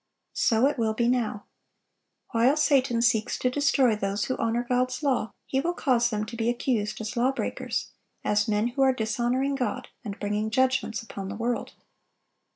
So it will be now. While Satan seeks to destroy those who honor God's law, he will cause them to be accused as lawbreakers, as men who are dishonoring God, and bringing judgments upon the world.